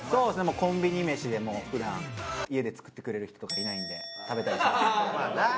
コンビニ飯でもう普段家で作ってくれる人とかいないんで食べたりします。